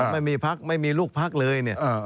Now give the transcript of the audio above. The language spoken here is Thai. ไม่มีพักไม่มีลูกพักเลย